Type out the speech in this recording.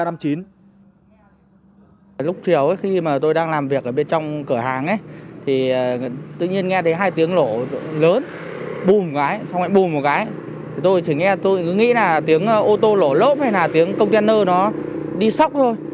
tại lúc chiều khi tôi đang làm việc ở bên trong cửa hàng tự nhiên nghe thấy hai tiếng lỗ lớn bùm một cái rồi tôi chỉ nghe tôi cứ nghĩ là tiếng ô tô lỗ lốp hay là tiếng container nó đi sóc thôi